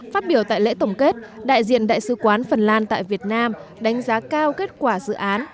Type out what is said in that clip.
phát biểu tại lễ tổng kết đại diện đại sứ quán phần lan tại việt nam đánh giá cao kết quả dự án